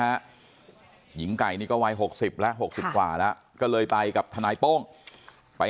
หญิงไก่นี่ก็วัย๖๐แล้ว๖๐กว่าแล้วก็เลยไปกับทนายโป้งไป